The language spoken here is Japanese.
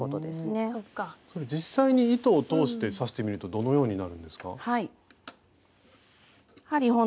実際に糸を通して刺してみるとどのようになるんですか？